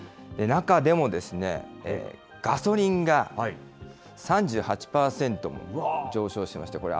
中でも、ガソリンが３８％も上昇しました。